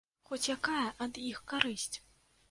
Хоць якая ад іх карысць.